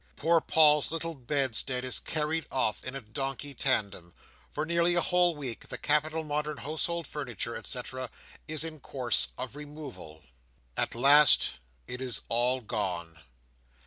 Poor Paul's little bedstead is carried off in a donkey tandem. For nearly a whole week, the Capital Modern Household Furniture, & c., is in course of removal. At last it is all gone.